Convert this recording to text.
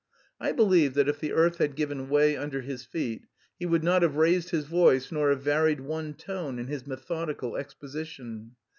(I believe that if the earth had given way under his feet he would not have raised his voice nor have varied one tone in his methodical exposition.)